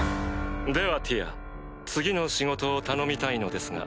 ではティア次の仕事を頼みたいのですが。